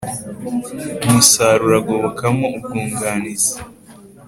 umusaruro agobokamo ubwunganizi